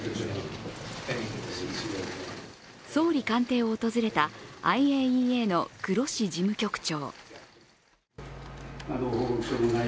総理官邸を訪れたＩＡＥＡのグロッシ事務局長。